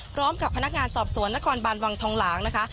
พร้อมกับพนักงานสอบสวนนครบานวังทองหลางนะคะ